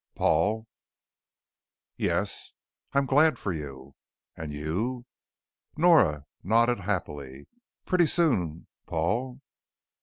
"Paul." "Yes?" "I'm glad for you." "And you?" Nora nodded happily. "Pretty soon, Paul?"